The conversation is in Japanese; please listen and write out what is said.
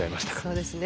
そうですね